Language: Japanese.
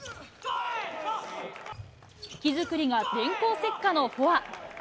木造が電光石火のフォア。